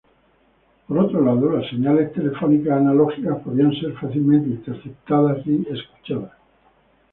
Por otro lado, las señales telefónicas analógicas podían ser fácilmente interceptadas y escuchadas.